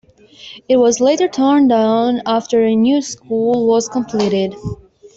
It was later torn down after a new school was completed.